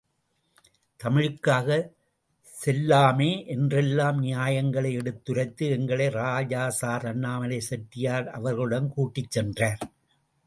தமிழுக்காகச் செல்ல்லாமே என்றொல்லாம் நியாயங்களை எடுத்துரைத்து, எங்களை ராஜாசர் அண்ணாமலை செட்டியார் அவர்களிடம் கூட்டிச் சென்றார்.